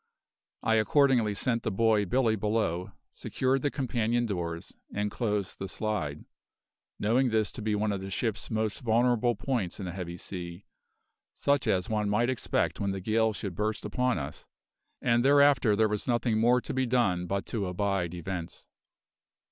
I accordingly sent the boy Billy below, secured the companion doors, and closed the slide, knowing this to be one of the ship's most vulnerable points in a heavy sea, such as one might expect when the gale should burst upon us, and thereafter there was nothing more to be done but to abide events.